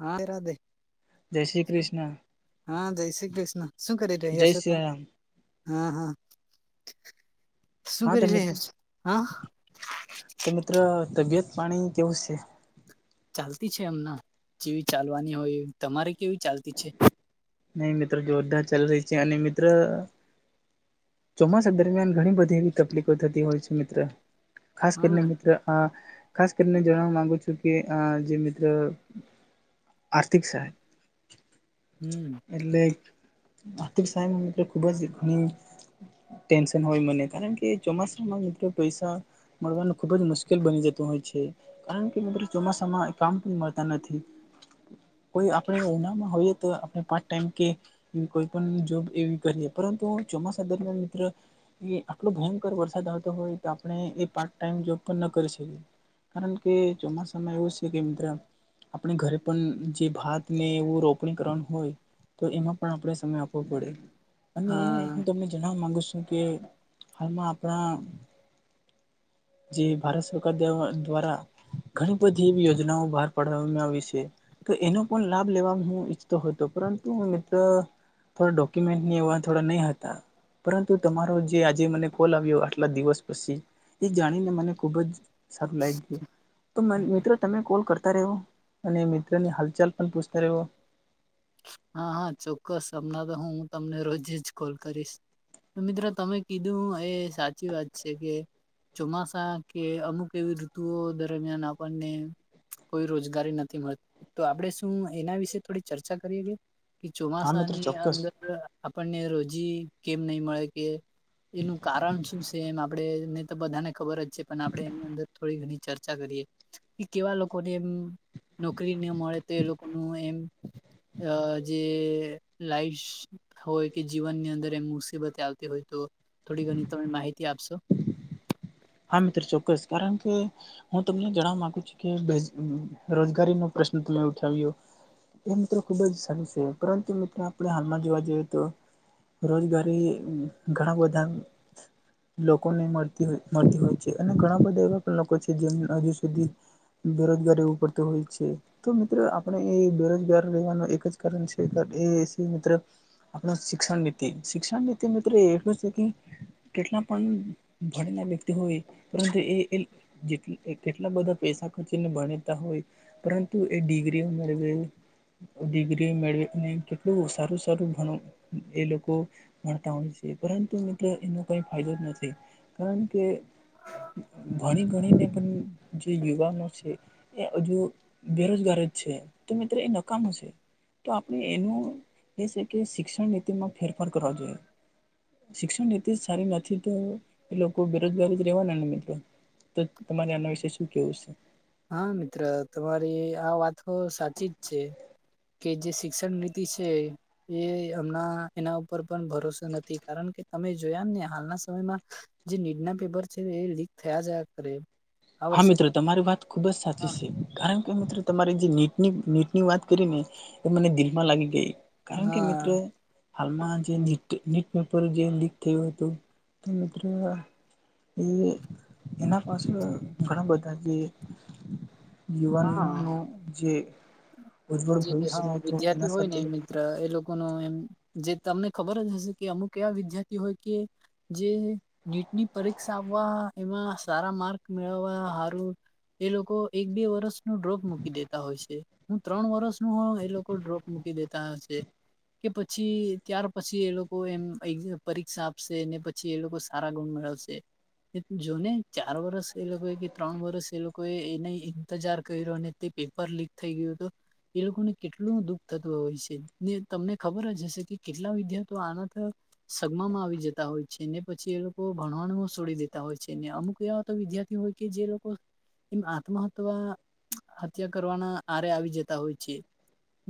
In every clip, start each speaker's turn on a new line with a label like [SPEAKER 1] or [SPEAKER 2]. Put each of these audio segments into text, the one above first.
[SPEAKER 1] હા [unintelligible]
[SPEAKER 2] જય શ્રી કૃષ્ણ
[SPEAKER 1] હા જય શ્રી કૃષ્ણ શું કરી
[SPEAKER 2] જય
[SPEAKER 1] રહ્યા છો
[SPEAKER 2] શ્રી
[SPEAKER 1] તમે
[SPEAKER 2] રામ
[SPEAKER 1] હા હા. શું
[SPEAKER 2] હા
[SPEAKER 1] કરી
[SPEAKER 2] તમે
[SPEAKER 1] રહયા છો હા
[SPEAKER 2] તો મિત્ર તબિયત પાણી કેવું છે
[SPEAKER 1] ચાલતી છે એમનમ જેવી ચાલવાની હોય તમારે કેવી ચાલતી છે
[SPEAKER 2] નહી મિત્ર જોરદાર ચાલી રહી છે અને મિત્ર ચોમાસા દરમિયાન ઘણી બધી એવી તકલીફો થતી હોય છે મિત્ર ખાસ કરીને
[SPEAKER 1] હા
[SPEAKER 2] મિત્ર આ ખાસ કરીને જાણવવા માંગુ છું કે આ જે મિત્ર આર્થિક સહાય
[SPEAKER 1] હમ
[SPEAKER 2] એટલે આથિક સહાય મિત્ર ખૂબ જ ઘણી ટેન્શન હોય મને કારણ કે ચોમાસામાં પૈસા મળવાનું ખુબ જ મુશ્કેલ બની જતું હોય છે કારણ કે મિત્ર ચોમાસામાં કામ પણ મળતા નથી કોઈ આપણે ઉનાળામાં હોઈએ તો આપણે પાર્ટ ટાઈમ કે કોઈ પણ જોબ એવી કરીએ પરંતુ ચોમાસા દરમિયાન મિત્ર એ આટલો ભયંકર વરસાદ આવતો હોય તો આપણે એ પાર્ટ ટાઈમ જોબ પણ ન કરી શકીએ કારણ કે ચોમાસામાં એવું છે કે મિત્ર આપણે ઘરે પણ જે ભાત ને એવું રોપણી કરવાનું હોય તો એમાં પણ આપણે સમય આપવો પડે અને
[SPEAKER 1] હા
[SPEAKER 2] હું જણાવવા માગુ છું કે હાલમાં આપણા જે ભારત સરકાર દ્વારા ઘણી બધી એવી યોજનાઓ બહાર પાડવામાં આવી છે. તો એનો પણ લાભ લેવા હું ઈચ્છતો હતો પરંતુ મિત્ર થોડા ડોક્યુમેન્ટની એવા થોડા નહીં હતા પરંતુ તમારો જે આજે મને કોલ આવ્યો આટલા દિવસ પછી એ જાણીને મને ખુબ જ સારું લાગ ગયું તો મેં મિત્રો તમે કોલ કરતા રહો અને મિત્રોની હાલચાલ પણ પૂછતા રહો
[SPEAKER 1] હા હા ચોક્કસ હમણાં તો હું હું તમને રોજ જ કોલ કરીશ તો મિત્ર તમે કીધું એ સાચી વાત છે કે ચોમાસા કે અમુક એવી ઋતુઓ દરમિયાન આપણને કોઈ રોજગારી નથી મળ તો આપડે શું એના વિશે થોડી ચર્ચા કરીએ કે કે
[SPEAKER 2] હા મિત્ર
[SPEAKER 1] ચોમાસાની
[SPEAKER 2] ચોક્કસ
[SPEAKER 1] અંદર આપણને રોજી કેમ નહી મળે કે એનું કારણ શું છે એમ આપણેને તો બધાને ખબર જ છે પણ આપડે એની અંદર થોડી ઘણી ચર્ચા કરીએ કેવા લોકોને એમ નોકરી ના મળે તો એ લોકો નું એમ અ જે લાઈસ હોય કે જીવનની અંદર એમ મુસીબત આવતી હોય તો થોડી ઘણી તમે માહિતી આપશો
[SPEAKER 2] હા મિત્ર ચોક્કસ કારણ કે હું તમને જણવા માગુ છું કે રોજગારીનો પ્રશ્ન તમે ઉઠાવ્યો એ મિત્રો ખુબ જ સારું છે પરંતુ મિત્રો આપડે હાલમાં જોવા જઈએ તો રોજગારી ઘણા બધા લોકોને મળતી હોય મળતી હોય છે અને ઘણા બધા એવા પણ લોકો છે જેમ હજુ સુધી બેરોજગારી ઉપર તો હોય છે તો મિત્ર આપણે એ બેરોજગાર રહેેવાનું એક જ કારણ છે એ મિત્ર આપડા શિક્ષણ નીતિ શિક્ષણ નીતિ મિત્ર એટલું છે કે કેટલા પણ ભણીને વ્ય તી હોય પરંતુ એ કેટલા બધા પૈસા ખર્ચીને ભણેતા હોય પરંતુ એ ડિગ્રીઓ મેળવે ડિગ્રી મેળવીને કેટલું સારું સારું ભણ એ લોકો ભણતા હોય છે પરંતુ મિત્ર એનો કઈ ફાયદો જ નથી કારણ કે કે ઘણી ગણીને પણ જે યુવાનો છે એ હજુ બેરોજગાર જ છે તો મિત્ર એ નકામુ શે તો આપણે એનું એ છે કે શિક્ષણ નીતિમાં ફેરફાર કરવા જોઈએ શિક્ષણ નીતિ જ સારી નથી તો કો બેરોજગારી જ રેવાના ને મિત્ર તો તમારે આના વિશે શું કેવું છે
[SPEAKER 1] હા મિત્ર તમારી આ વાતહો સાચી જ છે કે જે શિક્ષણ નીતિ છે એ હમણા એના ઉપર પણ ભરોસો નથી કારણ કે તમે જોયા ને હાલના સમયમાં જે નીટના પેપર છે એ લીક થયા જ કરે આ
[SPEAKER 2] હા
[SPEAKER 1] વર્ષે
[SPEAKER 2] મિત્ર તમારી વાત ખુબ જ સાચી છે કારણ તો મિત્ર તમારી જે નીટની નીટ ની વાત કરી ને એ મને દિલમાં લાગી ગઈ કારણ કે મિત્રો
[SPEAKER 1] હા
[SPEAKER 2] હાલમાં જે નિટ નિટ પેપર જે લીક થયું હતું તો મિત્ર એ એના પાસે ઘણા બધા જે યુવાનોનો જે ઉજવળ
[SPEAKER 1] જે હા
[SPEAKER 2] ભવિષ્ય હતું
[SPEAKER 1] વિદ્યાર્થી
[SPEAKER 2] એના
[SPEAKER 1] હોય ને
[SPEAKER 2] સાથે
[SPEAKER 1] મિત્ર એ લોકો નું એમ જે તમને ખબર જ હશે કે અમુક એવા વિદ્યાર્થી હોય કે જે નીટની પરીક્ષા આપવા એમાં સારા માર્ક મેળવવા હારું એ લોકો એક બે વર્ષ નું ડ્રોપ મૂકી દેતા હોય છે હું ત્રણ વરષનું હો એ લોકો ડ્રોપ મૂકી દેતા છે કે પછી ત્યાર પછી એ લોકો એમ પરીક્ષા આપશે ને પ ચી એ લોકો સારા ગુણ મેળવશે જોને ચાર વરસ એ લોકોએ કે ત્રણ વરસ એ લોકોએ એના ઇંતજાર કર્યો અને તે પેપર લીક થઈ ગયું તો એ લોકોને કેટલું દુઃખ થતું હોય છે ને તમને ખબર જ હશે કે કેટલા વિદ્યાર્થી આના ત સગમામાં આવી જતા હોય છે ને પછી એ લોકો ભણવામાં છોડી દેતા હોય છે ને અમુક એવા વિદ્યાર્થીઓ હોય કે જે લોકો એમ આત્મહ્યા હત્યા કરવાના આરે આવી હોય છે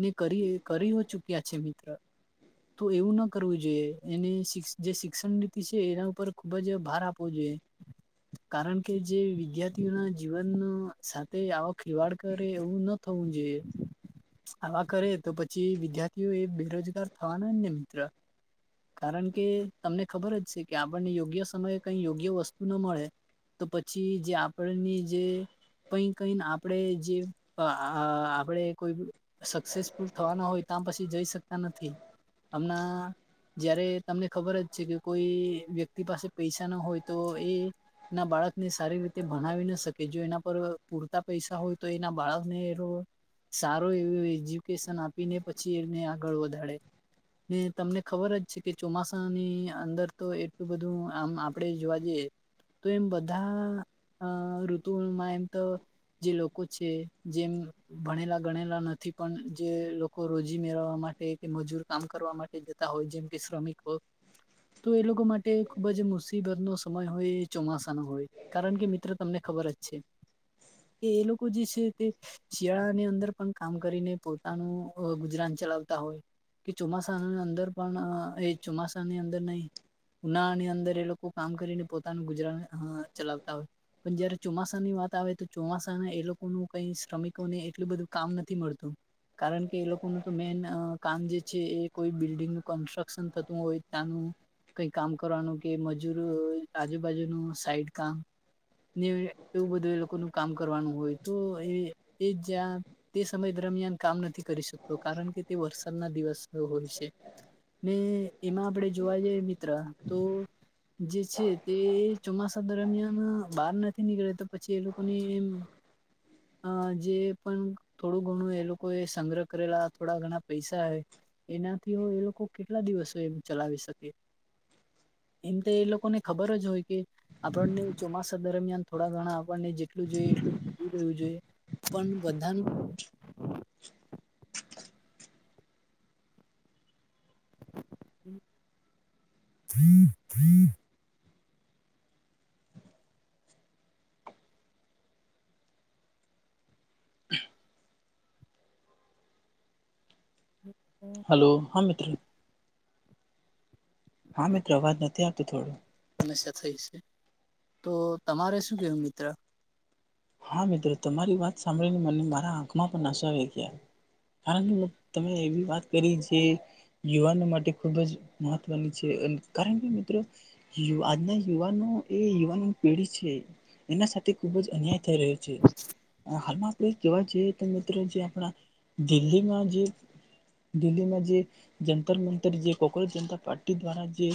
[SPEAKER 1] ને કરી કરીહો ચુક્યા છે મિત્ર તો એવું ના કરવું જોઈએ એને જે શિક્ષણ નીતિ છે એના ઉપર બજે ભાર આપવું જોઈએ. કારણ કે જે વિદ્યાર્થીઓના જીવન નુ સાથે આવક ખેવાડ કરે એવું ન થવું જોઈએ. આલા કરે તો પછી વિદ્યાર્થીઓ એ બેરોજગાર થવાના ને મિત્ર. કારણ કે, તમને ખબર જ છે કે, આપણને યોગ્ય સમયે કઈ યોગ્ય વસ્તુ ન મળે. તો પછી જે આપણની જે. કઈ કઈને આપણેે જે, અ આ અ આપડે કોઈબી સક્સેસફુલ થવાના હોય ત્યાં પછી જઈ શકતા નથી, હમણા જયારે તમને ખબર જ છે કે, કોઈ વ્યક્તિ પાસે પૈસા ના હોય તો એ ના બાળકને સારી રીતે ભણાવી ના શકે, જો એના પર પૂરતા પૈસા હોય, તો એના બાળકને રો સારો એવું એજ્યુકેશન આપીને પછી એને આગળ વધાડે. ને તમને ખબર જ છે, કે ચોમાસાની અંદર તો એટલું બધું આમ આપણેે જોવા જઈએ. તો એમ બધા, અ ઋતુઓમાં એમ તો જે લોકો છે, જેમ ભણેલા ગણેલા નથી, પણ જે લોકો રોજી મેળવવા માટે કે મજૂર કામ કરવા માટે તા હોય, જેમ કે શ્રમિક વર્ગ. તો એ લોકો માટે ખુબ જ મુસીબતનો સમય હોય, એ ચોમાસાનો હોય. કારણ કે મિત્ર તમને ખબર જ છે, કે એ લોકો જે છે તે શિયાળાની અંદર પણ કામ કરીને પોતાનું અ ગુજરાન ચલાવતા હોય. કે ચોમાસાની અંદર પણ, એ ચોમાસાની અંદર નહી ઉનાળની અંદર એ લોકો કામ કરીને પોતાનું ગુજરાન હા ચલાવતા હોય. પણ જયારે ચોમાસાની વાત આવે, તો ચોમાસાના એ લોકો નુ કઈ શ્રમિક કોને એટલું બધું કામ નથી મળતું. કારણ કે એ લોકોનું તો મેન અ કામ જે છે, એ કોઈ બિલ્ડિંગનું કન્સ્ટ્રક્શન થતું હોય, ત્યાંનું કઈ કામ કરવાનું, કે મજૂર હોય આજુબાજુનું સાઈડ કામ. ને એવું બધું એ લોકો નુ કામ કરવાનું હોય, તો એ એ જ્યાં, તે સમય દરમિયાન કામ નથી કરી શકતો, કારણ કે તે વરસાદના દિવસ સો હોય છે, ને એમાં આપણેે જોવા જઈએ મિત્ર તો જે છે તે ચોમાસા દરમિયાન બહાર નથી નીકળે, તો પછી એ લોકોને એમ અ જે પણ, થોડું ઘણું એ લોકો એ સંગ્રહ કરેલા, થોડા ઘણા પૈસા હે. એનાથી હો એ લોકો કેટલા દિવસો એમ ચલાવી શકીએ. એમતે એ લોકોને ખબર જ હોય કે. આપણને ચોમાસા દરમિયાન થોડા ઘણા આપણને જેટલું જોઈએ એટલું [unintelligible] જોઈએ. પણ બધાનું. [inaudible] [inaudible]
[SPEAKER 2] લો, હા મિત્ર. હા મિત્ર, અવાજ નથી આવતી થોડું.
[SPEAKER 1] સમસ્યા થઈ છે, તો તમારે શું કેવુ મિત્ર?
[SPEAKER 2] હા મિત્ર, તમારી વાત સાંભળીને મને મારા આંખમાં પણ આંસુ આવી ગયા. કારણલો, તમે એવી વાત કરી જે યુવાનો માટે ખૂબ જ મહત્વની છે, અન કારણ કે મિત્ર યુ આજના યુવાનો એ યુવાન પેઢી છે, એના સાથે ખુબ જ અન્યાય થઈ રહ્યો છે, અ હાલમાં ડે કેવા જોઈ તો મિત્ર, જે આપણા દિલ્હીમાં જે દિલ્હીમાં જે જંતર મંતર જે કોકરોજ જનતા પાર્ટી દ્વારા જે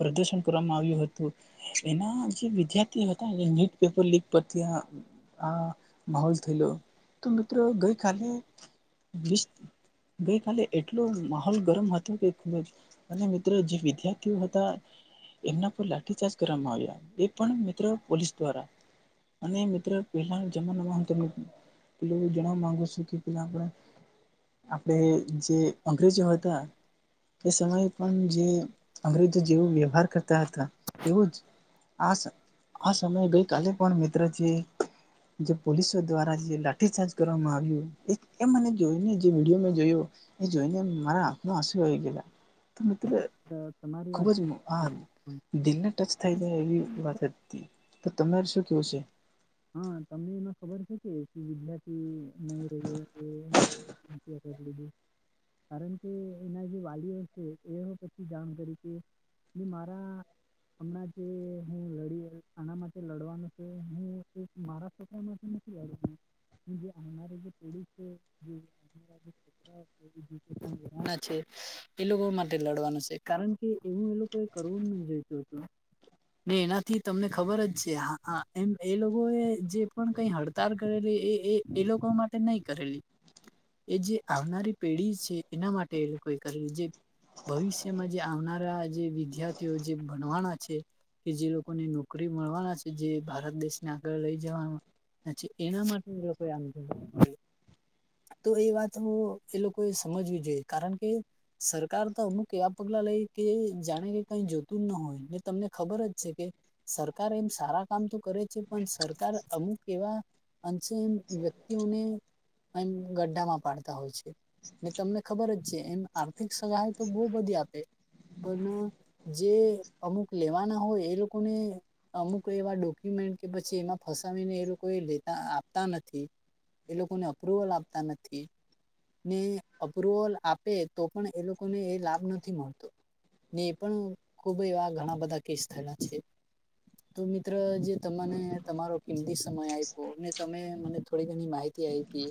[SPEAKER 2] પ્રદર્શન કરવામાં આવ્યું હતું, એના જે વિદ્યાર્થી હતા, એ ન્યૂટ પેપર લીક પર ત્યાં, આ માહોલ થયેલો, તો મિત્રો ગઈ કાલે ગઈ કલે એટલો માહોલ ગરમ હતો કે ખ અને મિત્રો જે વિદ્યાર્થીઓ હતા. એમના પર લાઠીચાર્જ કરવામાં આવ્યા, એ પણ મિત્રો પોલીસ દ્વારા. અને મિત્ર પેલા જમાના, હું તને પે જણવા માંગુ છું કે, પ આપ. આપડે જે અંગ્રેજી હો હતા. એ સમયે પણ જે અંગ્રેજ જેવો વ્યવહાર કરતા હતા, એવું જ. આ આ સમયે ગઈ કાલે પણ મિત્ર છે. જે પોલીસો દ્વારા જે લાઠીચાર્જ કરવામાં આવ્યું, એ મને જોઈને, જે વિડીયો મેં જોયો. એ જોઈને, મારા આખમા આંસુ આવી ગયા, તો મિત્રો.
[SPEAKER 1] તો.
[SPEAKER 2] ખૂબ જ. હા, દિલને ટચ થાય જાય એવી વાત હતી, તો તમારે શું કેવું છે?
[SPEAKER 1] હા, તમને એમાં ખબર છે કે, વિદ્યાર્થી નહી રહ્યો. કડી. કારણ કે એના જે વાલીઓ છે, એ પછી જાણ કરી કે. મારા. હમણાં જે હું લડી આના માટે લડવાનું છે, હું એક મારા પ્રકાર માટે નથી આવું, જે આવનારી જે પોળ છે જે. એ જ. ધણા છે, એ લોકો માટે લડવાનું છે, કારણ કે, એવું એ લોકો એ કરવું નહી, જોઈતું હતું. ને એનાથી તમને ખબર જ છે, એમ. એ લોકો એ જે પણ કઈ હડતાળ કરેલી, એ, એ લોકો માટે નહી કરેલી. એ જે આવનારી પેઢી છે, એના માટે એ લોકો કરે જે. ભવિષ્યમાં જે આવનારા જે વિદ્યાર્થીઓ, જે ભણવાના છે. કે જે લોકોને નોકરી મળવાના છે, જે ભારત દેશ આગળ લઈ જવાનું છે, એના માટે આમ. તો એ વાત એ લોકોએ સમજવી જોઈએ, કારણ કે. સરકાર તો અમુક એવા પગલા લઈ કે, જાણે કે, કઈ જોતું જ ન હોય, તમને ખબર જ છે કે. સરકાર એમ સારા કામ તો કરે છે. પણ સરકાર અમુક એવા, અંશે વ્યક્તિઓને. એમ ગઢા માં પાડતા હોય છે. તમને ખબર જ છે, એમ આર્થિક સહાય તો બહુ બધી આપે પણ. જે અમુક લેવાના હોય, એ લોકોને અમુક એવા ડોક્યુમેન્ટ. કે પછી એમાં ફસાવીને, એ લોકો એ લેતા આપતા નથી. એ લોકોને અપ્રુવલ આપતા નથી. ને અપ્રુવલ આપે તો, પણ એ લોકોને એ લાભ નથી મળતો. ને એ પણ ખુબ એવા ઘણા બધા કેસ થયેલા છે, તો મિત્ર જે તને તમારો કિમતી સમય આપ્યો ને, તમે મને થોડી ઘણી માહિતી આપી.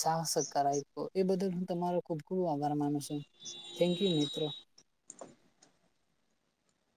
[SPEAKER 1] સાહ-સકાર આપ્યો, એ બદલ હું તમારો ખુબ ખૂબ આભાર માનું છું. થેન્ક યુ, મિત્રો.